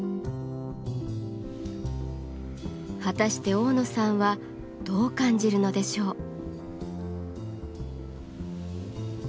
果たして負野さんはどう感じるのでしょう？